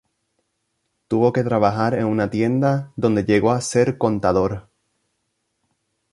Tuvo que trabajar en una tienda, donde llegó a ser contador.